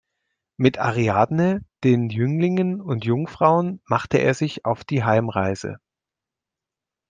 Mit Ariadne, den Jünglingen und Jungfrauen machte er sich auf die Heimreise.